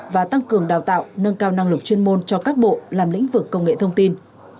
và tăng cường đào tạo nâng cao năng lực chuyên môn cho các bộ làm lĩnh vực công nghệ thông tin